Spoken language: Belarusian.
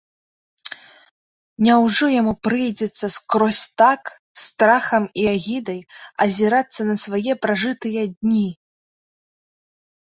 Няўжо яму прыйдзецца скрозь так, з страхам і агідай, азірацца на свае пражытыя дні!